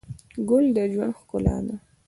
ګل د ژوند ښکلا ده.